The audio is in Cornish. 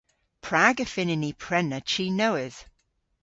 Prag y fynnyn ni prena chi nowydh?